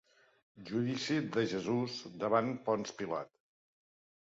Judici de Jesús davant Ponç Pilat.